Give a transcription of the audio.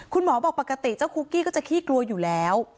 บอกปกติเจ้าคุกกี้ก็จะขี้กลัวอยู่แล้ว